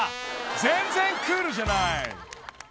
［全然クールじゃない］